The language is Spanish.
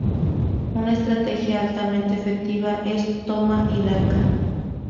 Una estrategia altamente efectiva es "toma y daca".